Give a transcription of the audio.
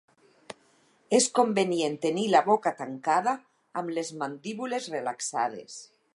És convenient tenir la boca tancada amb les mandíbules relaxades.